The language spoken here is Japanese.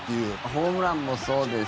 ホームランもそうです